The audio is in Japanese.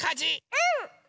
うん！